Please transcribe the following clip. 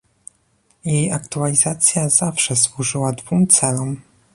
Jej aktualizacja zawsze służyła dwóm celom